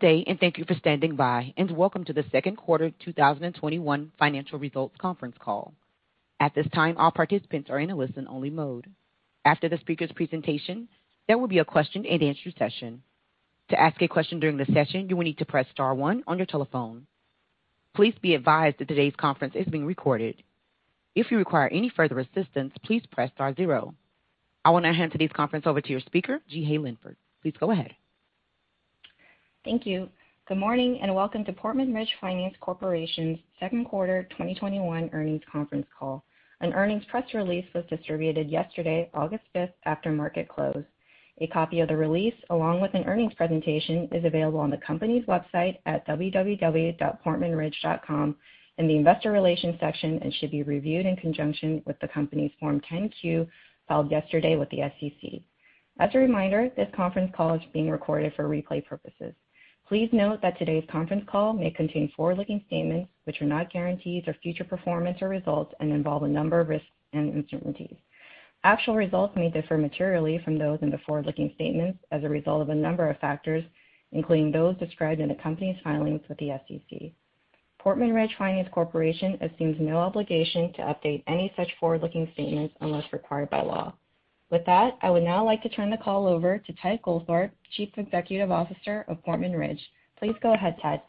Good day, and thank you for standing by, and welcome to the second quarter 2021 financial results conference call. At this time, all participants are in a listen-only mode. After the speaker's presentation, there will be a question-and-answer session. To ask a question during the session, you will need to press star one on your telephone. Please be advised that today's conference is being recorded. If you require any further assistance, please press star zero. I will now hand today's conference over to your speaker, Jeehae Linford. Please go ahead. Thank you. Good morning and welcome to Portman Ridge Finance Corporation's second quarter 2021 earnings conference call. An earnings press release was distributed yesterday, August 5th, after market close. A copy of the release, along with an earnings presentation, is available on the company's website at www.portmanridge.com in the investor relations section and should be reviewed in conjunction with the company's Form 10-Q filed yesterday with the SEC. As a reminder, this conference call is being recorded for replay purposes. Please note that today's conference call may contain forward-looking statements, which are not guarantees of future performance or results and involve a number of risks and uncertainties. Actual results may differ materially from those in the forward-looking statements as a result of a number of factors, including those described in the company's filings with the SEC. Portman Ridge Finance Corporation assumes no obligation to update any such forward-looking statements unless required by law. With that, I would now like to turn the call over to Ted Goldthorpe, Chief Executive Officer of Portman Ridge. Please go ahead, Ted.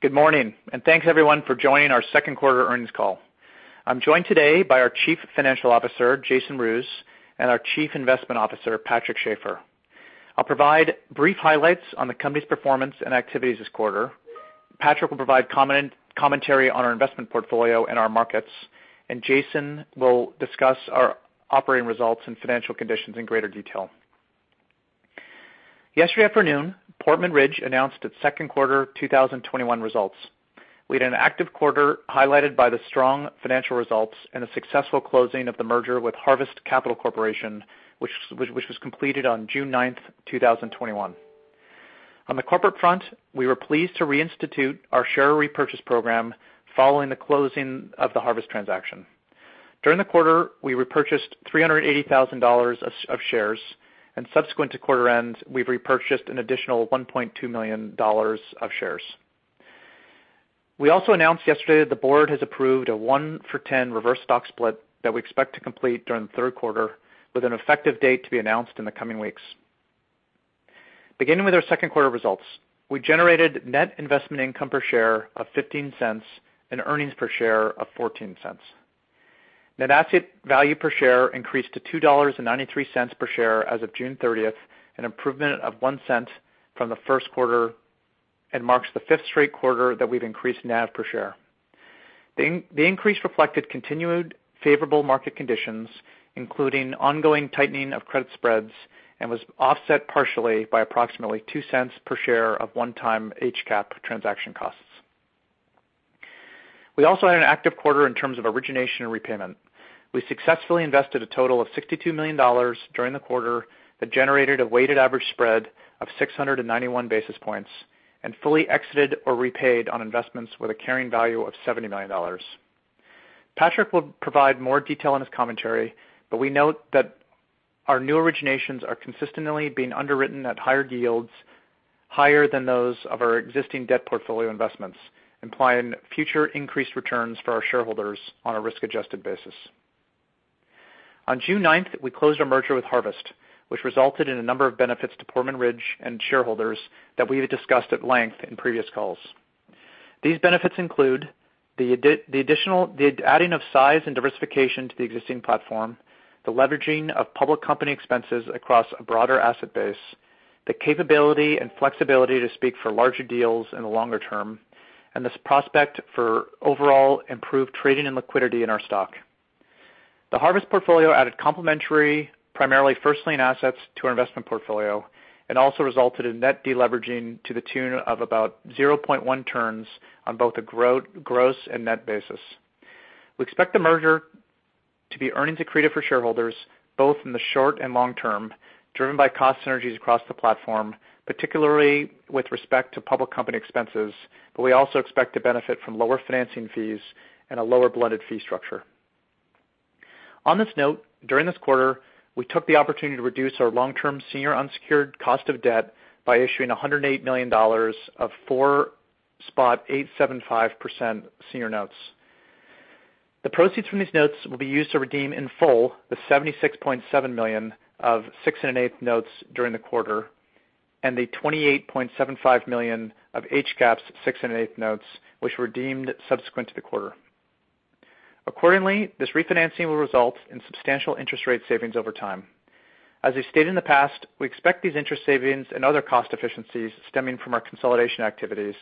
Good morning, and thanks, everyone, for joining our second quarter earnings call. I'm joined today by our Chief Financial Officer, Jason Roos, and our Chief Investment Officer, Patrick Schaefer. I'll provide brief highlights on the company's performance and activities this quarter. Patrick will provide commentary on our investment portfolio and our markets, and Jason will discuss our operating results and financial conditions in greater detail. Yesterday afternoon, Portman Ridge announced its second quarter 2021 results. We had an active quarter highlighted by the strong financial results and the successful closing of the merger with Harvest Capital Corporation, which was completed on June 9th, 2021. On the corporate front, we were pleased to reinstitute our share repurchase program following the closing of the Harvest transaction. During the quarter, we repurchased $380,000 of shares, and subsequent to quarter end, we've repurchased an additional $1.2 million of shares. We also announced yesterday that the board has approved a one for 10 reverse stock split that we expect to complete during the third quarter, with an effective date to be announced in the coming weeks. Beginning with our second quarter results, we generated net investment income per share of $0.15 and earnings per share of $0.14. Net asset value per share increased to $2.93 per share as of June 30th, an improvement of $0.01 from the first quarter, and marks the fifth straight quarter that we've increased NAV per share. The increase reflected continued favorable market conditions, including ongoing tightening of credit spreads, and was offset partially by approximately $0.02 per share of one-time HCAP transaction costs. We also had an active quarter in terms of origination and repayment. We successfully invested a total of $62 million during the quarter that generated a weighted average spread of 691 basis points and fully exited or repaid on investments with a carrying value of $70 million. Patrick will provide more detail in his commentary, but we note that our new originations are consistently being underwritten at higher yields, higher than those of our existing debt portfolio investments, implying future increased returns for our shareholders on a risk-adjusted basis. On June 9th, we closed our merger with Harvest, which resulted in a number of benefits to Portman Ridge and shareholders that we have discussed at length in previous calls. These benefits include the addition of size and diversification to the existing platform, the leveraging of public company expenses across a broader asset base, the capability and flexibility to speak for larger deals in the longer term, and the prospect for overall improved trading and liquidity in our stock. The Harvest portfolio added complementary, primarily first-lien assets to our investment portfolio and also resulted in net deleveraging to the tune of about 0.1 turns on both a gross and net basis. We expect the merger to be earnings accretive for shareholders, both in the short and long term, driven by cost synergies across the platform, particularly with respect to public company expenses, but we also expect to benefit from lower financing fees and a lower blended fee structure. On this note, during this quarter, we took the opportunity to reduce our long-term senior unsecured cost of debt by issuing $108 million of 4.875% senior notes. The proceeds from these notes will be used to redeem in full the $76.7 million of 6.125% notes during the quarter and the $28.75 million of HCAP's 6.125% notes, which were redeemed subsequent to the quarter. Accordingly, this refinancing will result in substantial interest rate savings over time. As we've stated in the past, we expect these interest savings and other cost efficiencies stemming from our consolidation activities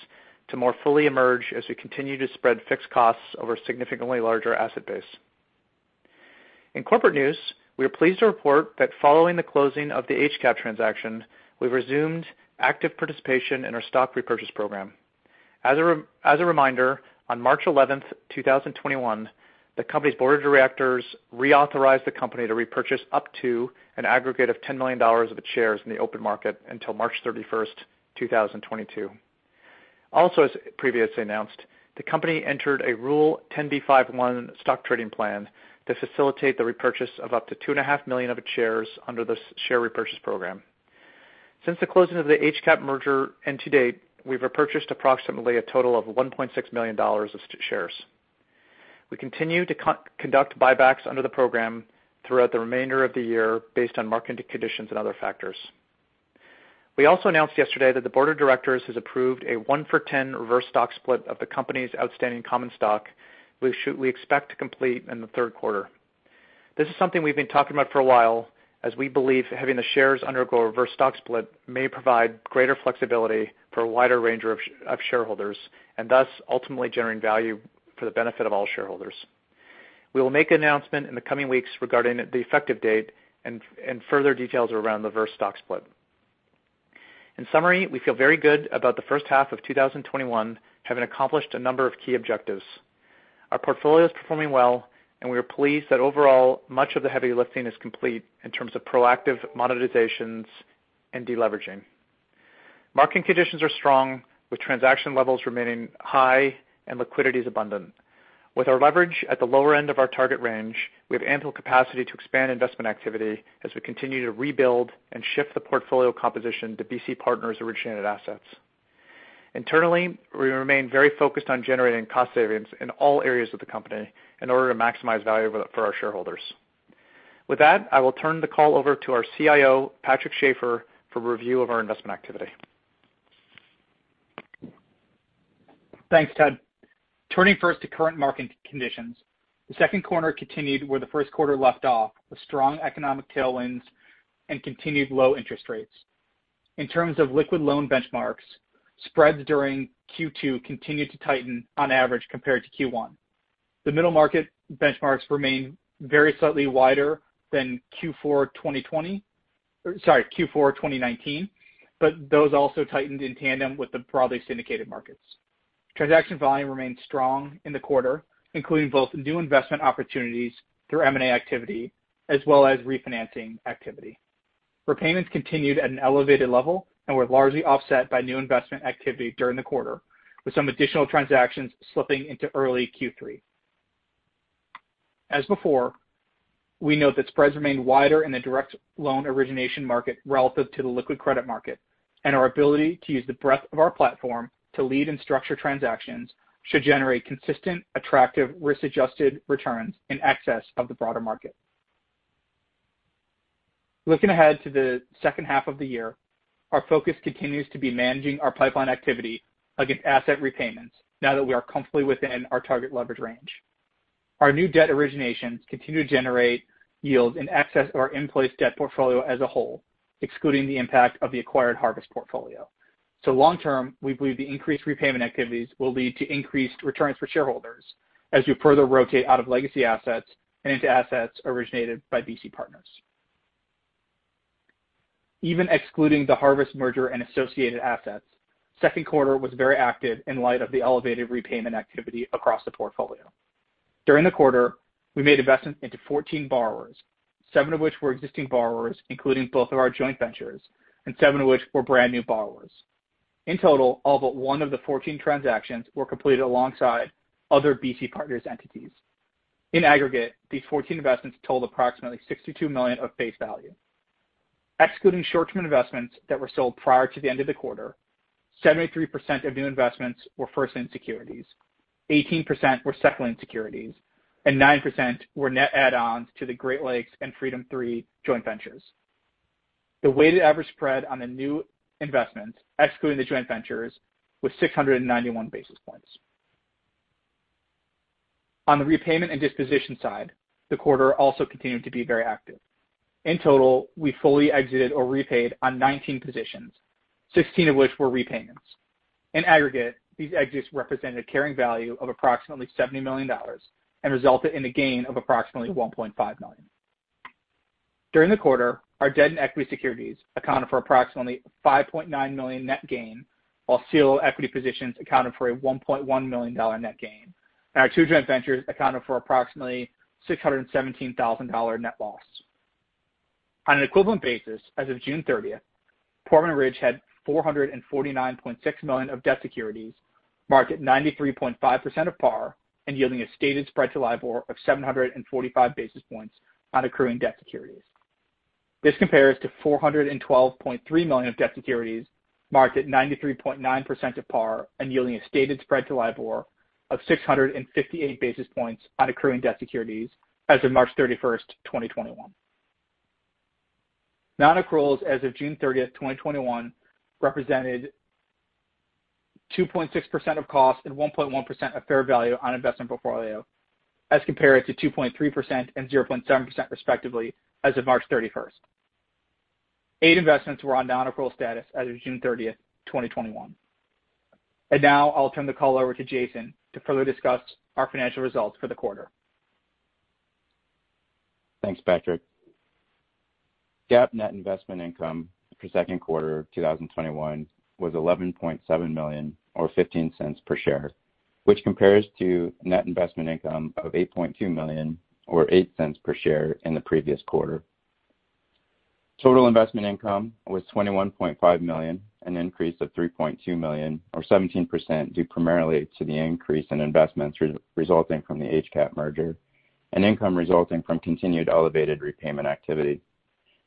to more fully emerge as we continue to spread fixed costs over a significantly larger asset base. In corporate news, we are pleased to report that following the closing of the HCAP transaction, we've resumed active participation in our stock repurchase program. As a reminder, on March 11th, 2021, the company's board of directors reauthorized the company to repurchase up to an aggregate of $10 million of its shares in the open market until March 31st, 2022. Also, as previously announced, the company entered a Rule 10b5-1 stock trading plan to facilitate the repurchase of up to 2.5 million of its shares under this share repurchase program. Since the closing of the HCAP merger and to date, we've repurchased approximately a total of $1.6 million of shares. We continue to conduct buybacks under the program throughout the remainder of the year based on market conditions and other factors. We also announced yesterday that the board of directors has approved a one for ten reverse stock split of the company's outstanding common stock, which we expect to complete in the third quarter. This is something we've been talking about for a while, as we believe having the shares undergo a reverse stock split may provide greater flexibility for a wider range of shareholders and thus ultimately generating value for the benefit of all shareholders. We will make an announcement in the coming weeks regarding the effective date and further details around the reverse stock split. In summary, we feel very good about the first half of 2021 having accomplished a number of key objectives. Our portfolio is performing well, and we are pleased that overall much of the heavy lifting is complete in terms of proactive monetizations and deleveraging. Market conditions are strong, with transaction levels remaining high and liquidities abundant. With our leverage at the lower end of our target range, we have ample capacity to expand investment activity as we continue to rebuild and shift the portfolio composition to BC Partners' originated assets. Internally, we remain very focused on generating cost savings in all areas of the company in order to maximize value for our shareholders. With that, I will turn the call over to our CIO, Patrick Schaefer, for review of our investment activity. Thanks, Ted. Turning first to current market conditions, the second quarter continued where the first quarter left off with strong economic tailwinds and continued low interest rates. In terms of liquid loan benchmarks, spreads during Q2 continued to tighten on average compared to Q1. The middle market benchmarks remained very slightly wider than Q4 2020, sorry, Q4 2019, but those also tightened in tandem with the broadly syndicated markets. Transaction volume remained strong in the quarter, including both new investment opportunities through M&A activity as well as refinancing activity. Repayments continued at an elevated level and were largely offset by new investment activity during the quarter, with some additional transactions slipping into early Q3. As before, we note that spreads remained wider in the direct loan origination market relative to the liquid credit market, and our ability to use the breadth of our platform to lead and structure transactions should generate consistent, attractive, risk-adjusted returns in excess of the broader market. Looking ahead to the second half of the year, our focus continues to be managing our pipeline activity against asset repayments now that we are comfortably within our target leverage range. Our new debt originations continue to generate yields in excess of our in-place debt portfolio as a whole, excluding the impact of the acquired Harvest portfolio. So long term, we believe the increased repayment activities will lead to increased returns for shareholders as we further rotate out of legacy assets and into assets originated by BC Partners. Even excluding the Harvest merger and associated assets, the second quarter was very active in light of the elevated repayment activity across the portfolio. During the quarter, we made investments into 14 borrowers, seven of which were existing borrowers, including both of our joint ventures, and seven of which were brand new borrowers. In total, all but one of the 14 transactions were completed alongside other BC Partners entities. In aggregate, these 14 investments totaled approximately $62 million of face value. Excluding short-term investments that were sold prior to the end of the quarter, 73% of new investments were first-lien securities, 18% were second-lien securities, and 9% were net add-ons to the Great Lakes and Freedom 3 joint ventures. The weighted average spread on the new investments, excluding the joint ventures, was 691 basis points. On the repayment and disposition side, the quarter also continued to be very active. In total, we fully exited or repaid on 19 positions, 16 of which were repayments. In aggregate, these exits represented carrying value of approximately $70 million and resulted in a gain of approximately $1.5 million. During the quarter, our debt and equity securities accounted for approximately $5.9 million net gain, while CLO equity positions accounted for a $1.1 million net gain, and our two joint ventures accounted for approximately $617,000 net loss. On an equivalent basis, as of June 30th, Portman Ridge had 449.6 million of debt securities marked at 93.5% of par and yielding a stated spread to LIBOR of 745 basis points on accruing debt securities. This compares to 412.3 million of debt securities marked at 93.9% of par and yielding a stated spread to LIBOR of 658 basis points on accruing debt securities as of March 31st, 2021. Non-accrual as of June 30th, 2021, represented 2.6% of cost and 1.1% of fair value on investment portfolio as compared to 2.3% and 0.7% respectively as of March 31st. Eight investments were on non-accrual status as of June 30th, 2021, and now I'll turn the call over to Jason to further discuss our financial results for the quarter. Thanks, Patrick. GAAP net investment income for second quarter 2021 was $11.7 million or $0.15 per share, which compares to net investment income of $8.2 million or $0.08 per share in the previous quarter. Total investment income was $21.5 million, an increase of $3.2 million or 17% due primarily to the increase in investments resulting from the HCAP merger and income resulting from continued elevated repayment activity.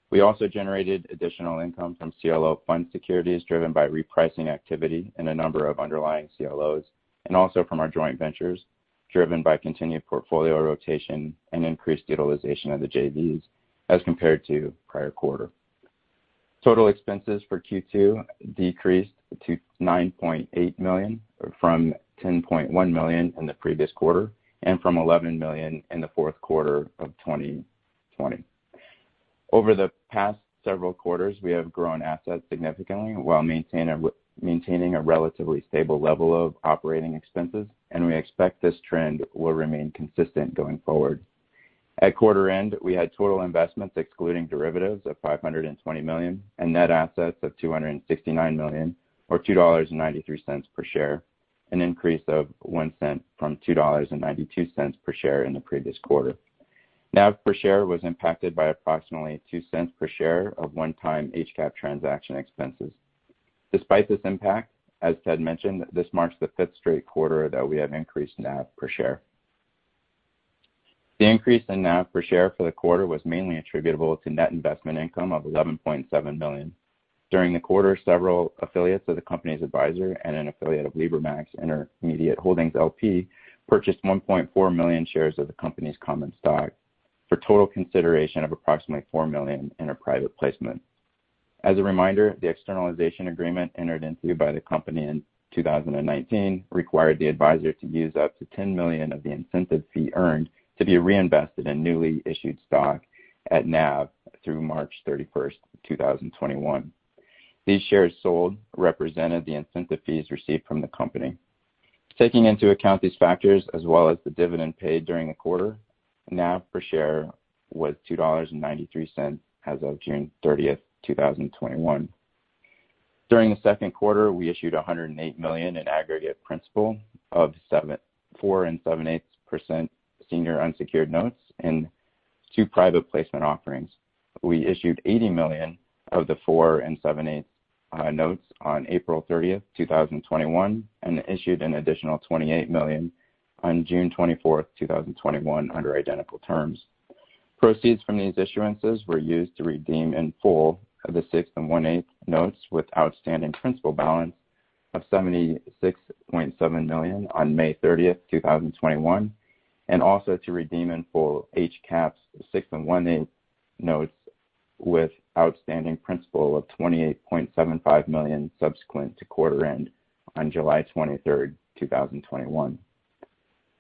We also generated additional income from CLO fund securities driven by repricing activity and a number of underlying CLOs, and also from our joint ventures driven by continued portfolio rotation and increased utilization of the JVs as compared to prior quarter. Total expenses for Q2 decreased to $9.8 million from $10.1 million in the previous quarter and from $11 million in the fourth quarter of 2020. Over the past several quarters, we have grown assets significantly while maintaining a relatively stable level of operating expenses, and we expect this trend will remain consistent going forward. At quarter end, we had total investments, excluding derivatives, of $520 million and net assets of $269 million or $2.93 per share, an increase of $0.01 from $2.92 per share in the previous quarter. NAV per share was impacted by approximately $0.02 per share of one-time HCAP transaction expenses. Despite this impact, as Ted mentioned, this marks the fifth straight quarter that we have increased NAV per share. The increase in NAV per share for the quarter was mainly attributable to net investment income of $11.7 million. During the quarter, several affiliates of the company's advisor and an affiliate of LibreMax Intermediate Holdings, LP purchased 1.4 million shares of the company's common stock for total consideration of approximately $4 million in a private placement. As a reminder, the externalization agreement entered into by the company in 2019 required the advisor to use up to $10 million of the incentive fee earned to be reinvested in newly issued stock at NAV through March 31st, 2021. These shares sold represented the incentive fees received from the company. Taking into account these factors, as well as the dividend paid during the quarter, NAV per share was $2.93 as of June 30th, 2021. During the second quarter, we issued $108 million in aggregate principal of 4.875% senior unsecured notes and two private placement offerings. We issued $80 million of the 4 and 7/8% notes on April 30th, 2021, and issued an additional $28 million on June 24th, 2021, under identical terms. Proceeds from these issuances were used to redeem in full the 6 and 1/8% notes with outstanding principal balance of $76.7 million on May 30th, 2021, and also to redeem in full HCAP's 6 and 1/8 notes with outstanding principal of $28.75 million subsequent to quarter end on July 23rd, 2021.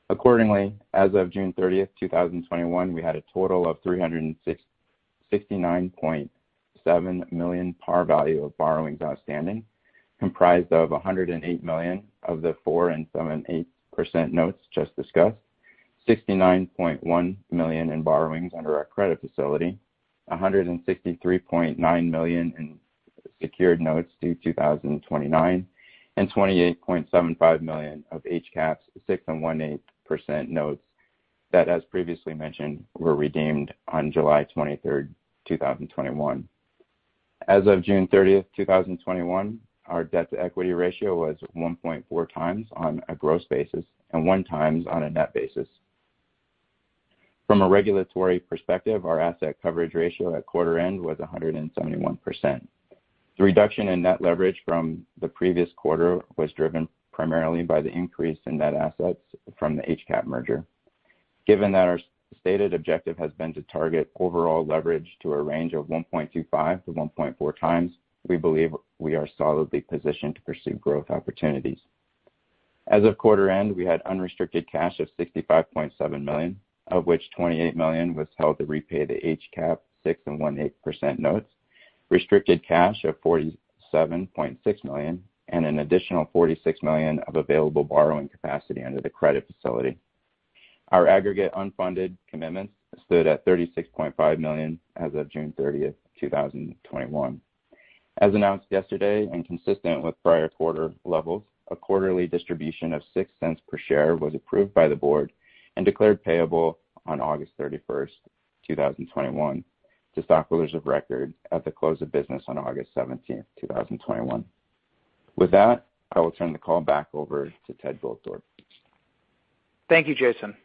Accordingly, as of June 30th, 2021, we had a total of $369.7 million par value of borrowings outstanding, comprised of $108 million of the 4% and 7/8% notes just discussed, $69.1 million in borrowings under our credit facility, $163.9 million in secured notes due 2029, and $28.75 million of HCAP's 6 and 1/8% notes that, as previously mentioned, were redeemed on July 23rd, 2021. As of June 30th, 2021, our debt-to-equity ratio was 1.4 times on a gross basis and one times on a net basis. From a regulatory perspective, our asset coverage ratio at quarter end was 171%. The reduction in net leverage from the previous quarter was driven primarily by the increase in net assets from the HCAP merger. Given that our stated objective has been to target overall leverage to a range of 1.25-1.4 times, we believe we are solidly positioned to pursue growth opportunities. As of quarter end, we had unrestricted cash of $65.7 million, of which $28 million was held to repay the HCAP 6 and 1/8% notes, restricted cash of $47.6 million, and an additional $46 million of available borrowing capacity under the credit facility. Our aggregate unfunded commitments stood at $36.5 million as of June 30th, 2021. As announced yesterday and consistent with prior quarter levels, a quarterly distribution of $0.06 per share was approved by the board and declared payable on August 31st, 2021, to stockholders of record at the close of business on August 17th, 2021. With that, I will turn the call back over to Ted Goldthorpe. Thank you, Jason.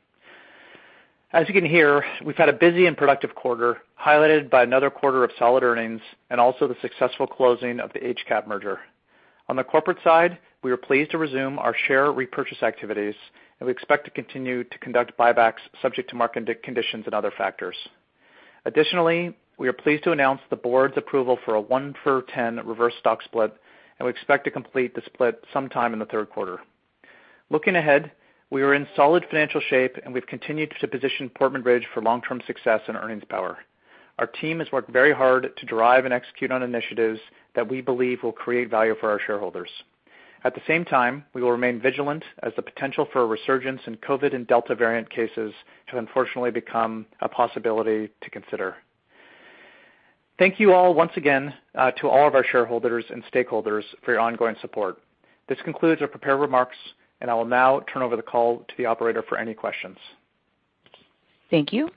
As you can hear, we've had a busy and productive quarter highlighted by another quarter of solid earnings and also the successful closing of the HCAP merger. On the corporate side, we are pleased to resume our share repurchase activities, and we expect to continue to conduct buybacks subject to market conditions and other factors. Additionally, we are pleased to announce the board's approval for a one for 10 reverse stock split, and we expect to complete the split sometime in the third quarter. Looking ahead, we are in solid financial shape, and we've continued to position Portman Ridge for long-term success and earnings power. Our team has worked very hard to drive and execute on initiatives that we believe will create value for our shareholders. At the same time, we will remain vigilant as the potential for a resurgence in COVID and Delta variant cases has unfortunately become a possibility to consider. Thank you all once again to all of our shareholders and stakeholders for your ongoing support. This concludes our prepared remarks, and I will now turn over the call to the operator for any questions. Thank you.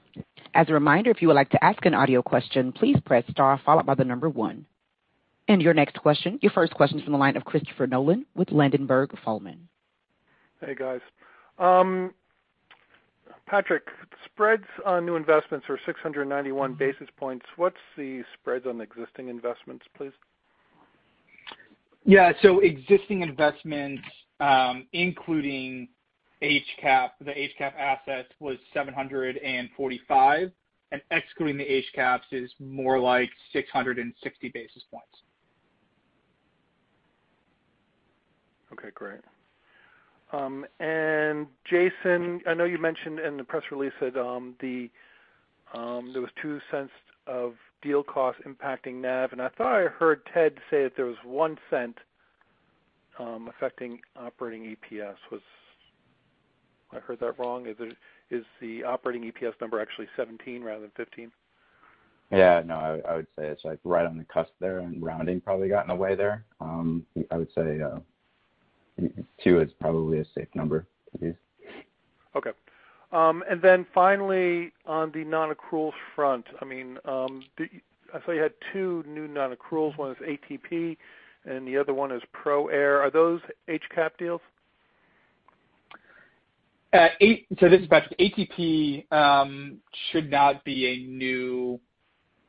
As a reminder, if you would like to ask an audio question, please press star followed by the number one. And your next question, your first question is from the line of Christopher Nolan with Ladenburg Thalmann. Hey, guys. Patrick, spreads on new investments are 691 basis points. What's the spreads on existing investments, please? Yeah. So existing investments, including HCAP, the HCAP assets was 745, and excluding the HCAPs is more like 660 basis points. Okay. Great. And Jason, I know you mentioned in the press release that there was $0.02 of deal cost impacting NAV, and I thought I heard Ted say that there was $0.01 affecting operating EPS. I heard that wrong. Is the operating EPS number actually $0.17 rather than $0.15? Yeah. No, I would say it's right on the cusp there, and rounding probably got in the way there. I would say two is probably a safe number to use. Okay. And then finally, on the non-accruals front, I mean, I saw you had two new non-accruals. One is ATP, and the other one is ProAir. Are those HCAP deals? This is Patrick. ATP should not be a new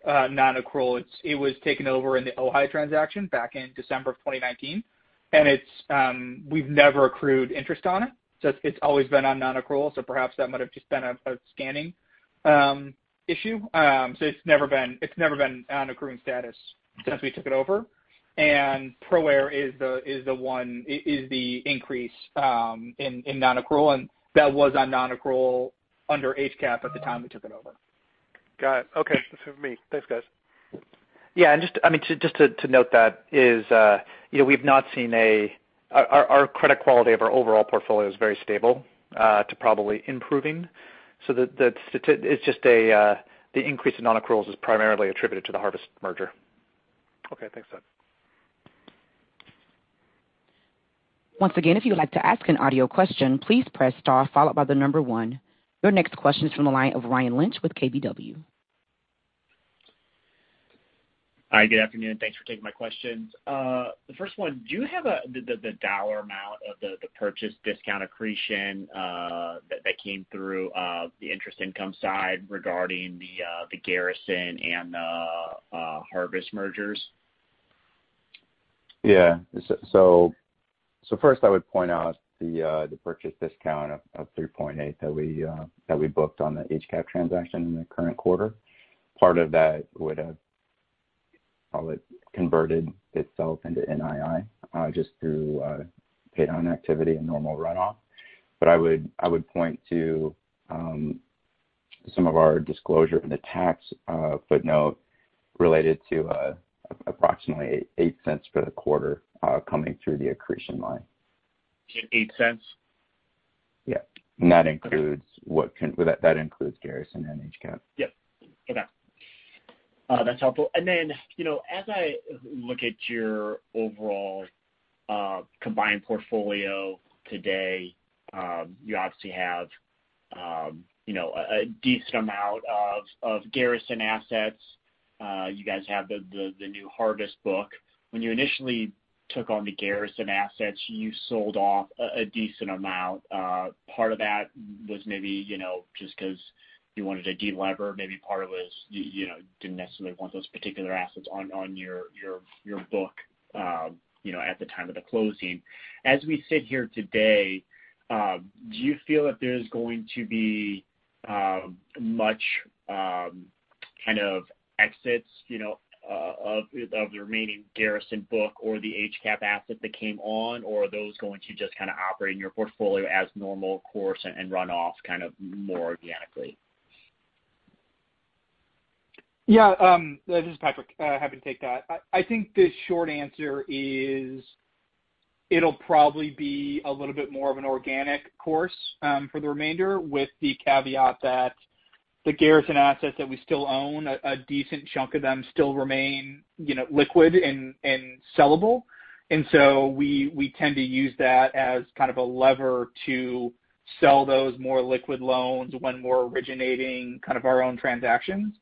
non-accrual. It was taken over in the OHA transaction back in December of 2019, and we've never accrued interest on it. So it's always been on non-accrual, so perhaps that might have just been a scanning issue. So it's never been on accruing status since we took it over. And ProAir is the increase in non-accrual, and that was on non-accrual under HCAP at the time we took it over. Got it. Okay. This is me. Thanks, guys. Yeah. And just to note that is we've not seen a our credit quality of our overall portfolio is very stable to probably improving. So it's just the increase in non-accruals is primarily attributed to the Harvest merger. Okay. Thanks, Ted. Once again, if you would like to ask an audio question, please press star followed by the number one. Your next question is from the line of Ryan Lynch with KBW. Hi. Good afternoon. Thanks for taking my questions. The first one, do you have the dollar amount of the purchase discount accretion that came through the interest income side regarding the Garrison and the Harvest mergers? Yeah. So first, I would point out the purchase discount of 3.8 that we booked on the HCAP transaction in the current quarter. Part of that would have probably converted itself into NII just through paydown activity and normal runoff. But I would point to some of our disclosure in the tax footnote related to approximately $0.08 for the quarter coming through the accretion line. $0.08? Yeah. And that includes Garrison and HCAP. Yep. Okay. That's helpful, and then as I look at your overall combined portfolio today, you obviously have a decent amount of Garrison assets. You guys have the new Harvest book. When you initially took on the Garrison assets, you sold off a decent amount. Part of that was maybe just because you wanted to delever. Maybe part of it was you didn't necessarily want those particular assets on your book at the time of the closing. As we sit here today, do you feel that there's going to be much kind of exits of the remaining Garrison book or the HCAP asset that came on, or are those going to just kind of operate in your portfolio as normal course and runoff kind of more organically? Yeah. This is Patrick. Happy to take that. I think the short answer is it'll probably be a little bit more of an organic course for the remainder, with the caveat that the Garrison assets that we still own, a decent chunk of them still remain liquid and sellable. And so we tend to use that as kind of a lever to sell those more liquid loans when we're originating kind of our own transactions.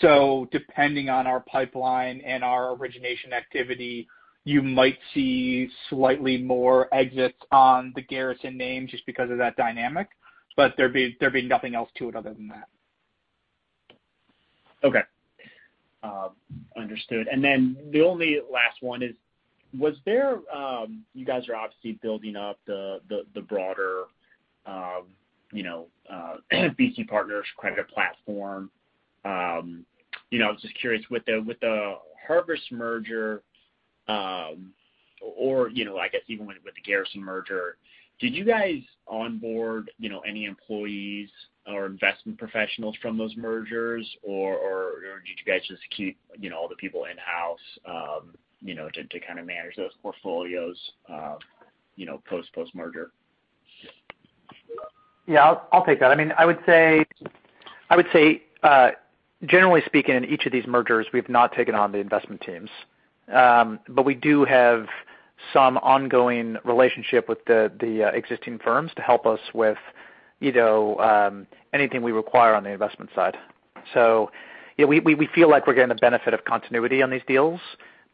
So depending on our pipeline and our origination activity, you might see slightly more exits on the Garrison name just because of that dynamic, but there'll be nothing else to it other than that. Okay. Understood. And then the only last one is, you guys are obviously building up the broader BC Partners credit platform. I was just curious, with the Harvest merger or, I guess, even with the Garrison merger, did you guys onboard any employees or investment professionals from those mergers, or did you guys just keep all the people in-house to kind of manage those portfolios post-merger? Yeah. I'll take that. I mean, I would say, generally speaking, in each of these mergers, we've not taken on the investment teams, but we do have some ongoing relationship with the existing firms to help us with anything we require on the investment side. So we feel like we're getting the benefit of continuity on these deals,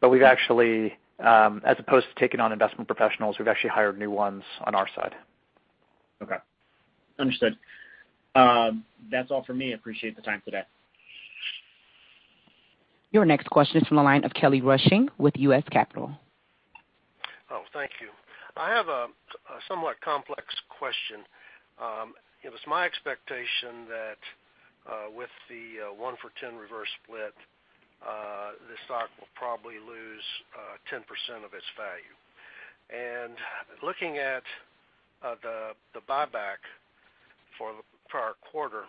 but as opposed to taking on investment professionals, we've actually hired new ones on our side. Okay. Understood. That's all for me. Appreciate the time today. Your next question is from the line of Kelly Rushing with U.S. Capital Advisors. Oh, thank you. I have a somewhat complex question. It was my expectation that with the 1 for 10 reverse split, the stock will probably lose 10% of its value. Looking at the buyback for our quarter,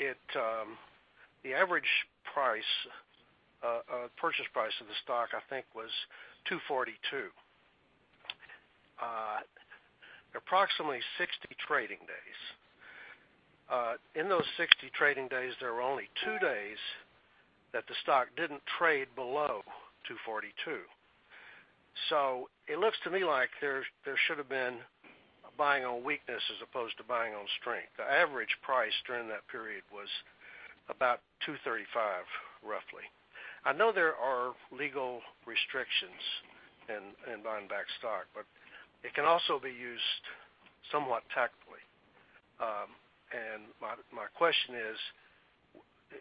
the average purchase price of the stock, I think, was 242, approximately 60 trading days. In those 60 trading days, there were only two days that the stock didn't trade below 242. So it looks to me like there should have been buying on weakness as opposed to buying on strength. The average price during that period was about 235, roughly. I know there are legal restrictions in buying back stock, but it can also be used somewhat tactfully. My question is,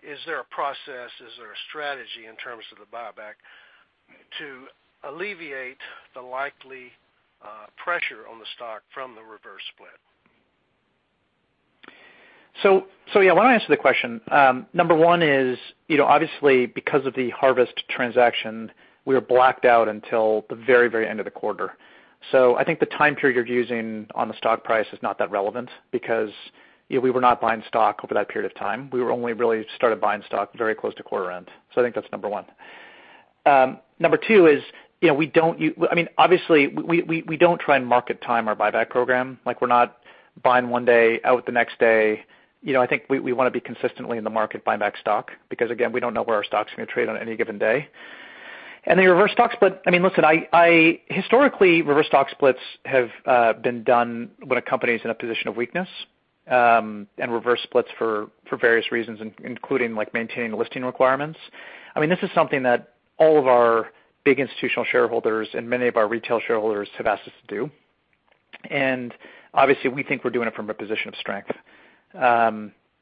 is there a process, is there a strategy in terms of the buyback to alleviate the likely pressure on the stock from the reverse split? So yeah, I want to answer the question. Number one is, obviously, because of the Harvest transaction, we were blacked out until the very, very end of the quarter. So I think the time period you're using on the stock price is not that relevant because we were not buying stock over that period of time. We only really started buying stock very close to quarter end. So I think that's number one. Number two is we don't, I mean, obviously, we don't try and market time our buyback program. We're not buying one day, out the next day. I think we want to be consistently in the market buying back stock because, again, we don't know where our stock's going to trade on any given day. And then reverse stock split. I mean, listen. Historically, reverse stock splits have been done when a company is in a position of weakness and reverse splits for various reasons, including maintaining listing requirements. I mean, this is something that all of our big institutional shareholders and many of our retail shareholders have asked us to do. And obviously, we think we're doing it from a position of strength.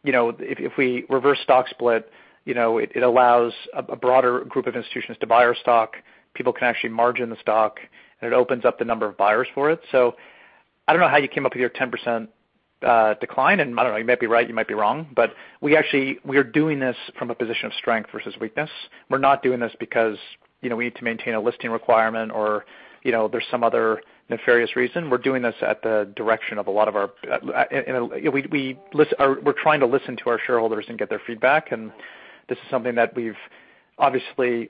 If we reverse stock split, it allows a broader group of institutions to buy our stock. People can actually margin the stock, and it opens up the number of buyers for it. So I don't know how you came up with your 10% decline, and I don't know. You might be right, you might be wrong, but we are doing this from a position of strength versus weakness. We're not doing this because we need to maintain a listing requirement or there's some other nefarious reason. We're doing this at the direction of a lot of our, we're trying to listen to our shareholders and get their feedback, and this is something that we've obviously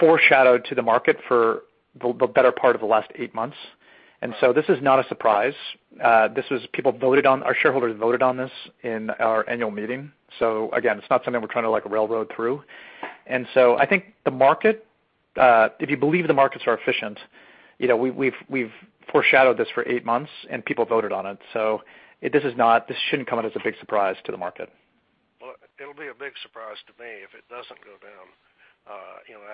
foreshadowed to the market for the better part of the last eight months, and so this is not a surprise. Our shareholders voted on this in our annual meeting, so again, it's not something we're trying to railroad through, and so I think the market, if you believe the markets are efficient, we've foreshadowed this for eight months, and people voted on it, so this shouldn't come out as a big surprise to the market. It'll be a big surprise to me if it doesn't go down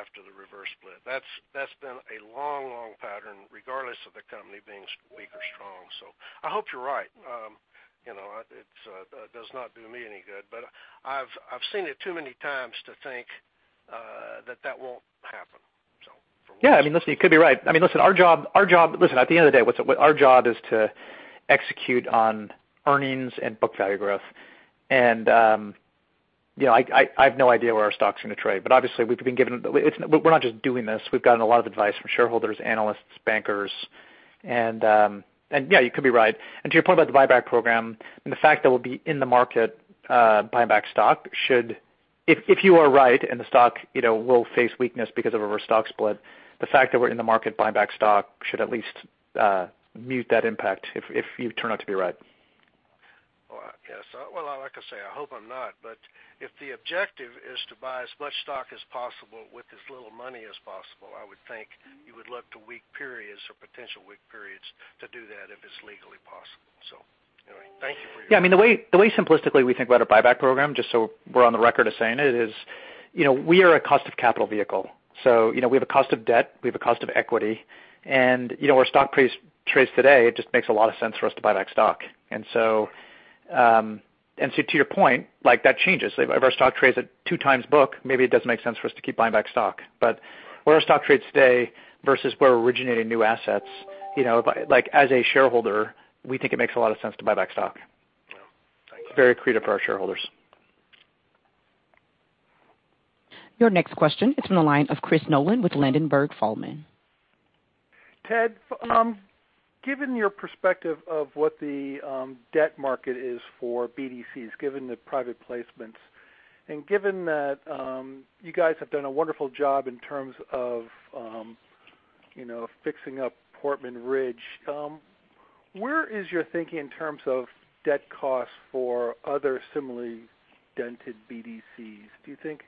after the reverse split. That's been a long, long pattern regardless of the company being weak or strong. So I hope you're right. It does not do me any good, but I've seen it too many times to think that that won't happen. So for one. Yeah. I mean, listen, you could be right. I mean, listen, our job, listen, at the end of the day, what our job is to execute on earnings and book value growth. I have no idea where our stock's going to trade, but obviously, we've been given, we're not just doing this. We've gotten a lot of advice from shareholders, analysts, bankers, and yeah, you could be right. To your point about the buyback program, the fact that we'll be in the market buying back stock should, if you are right and the stock will face weakness because of a reverse stock split, the fact that we're in the market buying back stock should at least mute that impact if you turn out to be right. Like I say, I hope I'm not, but if the objective is to buy as much stock as possible with as little money as possible, I would think you would look to weak periods or potential weak periods to do that if it's legally possible. So anyway, thank you for your. Yeah. I mean, the way simplistically we think about a buyback program, just so we're on the record of saying it, is we are a cost of capital vehicle. So we have a cost of debt, we have a cost of equity, and our stock trades today, it just makes a lot of sense for us to buy back stock. And so to your point, that changes. If our stock trades at two times book, maybe it doesn't make sense for us to keep buying back stock. But where our stock trades today versus where we're originating new assets, as a shareholder, we think it makes a lot of sense to buy back stock. Thank you. Very creative for our shareholders. Your next question is from the line of Chris Nolan with Ladenburg Thalmann. Ted, given your perspective of what the debt market is for BDCs, given the private placements, and given that you guys have done a wonderful job in terms of fixing up Portman Ridge, where is your thinking in terms of debt costs for other similarly dented BDCs? Do you think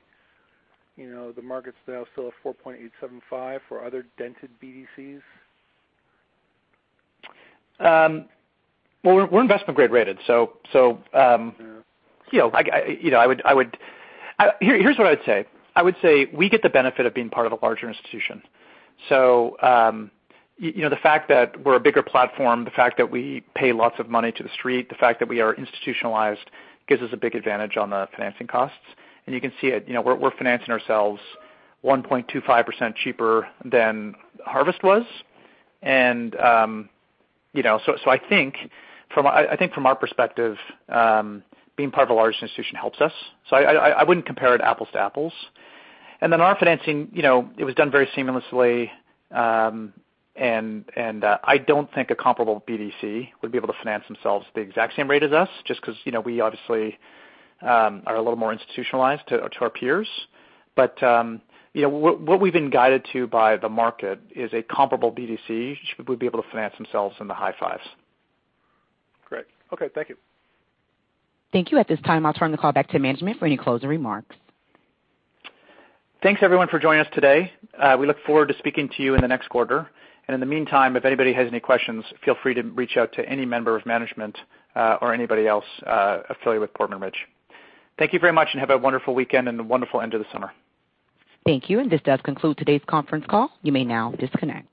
the market's now still at 4.875 for other dented BDCs? We're investment-grade rated, so I would. Here's what I would say. I would say we get the benefit of being part of a larger institution. So the fact that we're a bigger platform, the fact that we pay lots of money to the street, the fact that we are institutionalized gives us a big advantage on the financing costs, and you can see it. We're financing ourselves 1.25% cheaper than Harvest was, and so I think from our perspective, being part of a large institution helps us, so I wouldn't compare it apples to apples, and then our financing. It was done very seamlessly, and I don't think a comparable BDC would be able to finance themselves at the exact same rate as us just because we obviously are a little more institutionalized to our peers. But what we've been guided to by the market is a comparable BDC would be able to finance themselves in the high fives. Great. Okay. Thank you. Thank you. At this time, I'll turn the call back to management for any closing remarks. Thanks, everyone, for joining us today. We look forward to speaking to you in the next quarter, and in the meantime, if anybody has any questions, feel free to reach out to any member of management or anybody else affiliated with Portman Ridge. Thank you very much, and have a wonderful weekend and a wonderful end of the summer. Thank you. And this does conclude today's conference call. You may now disconnect.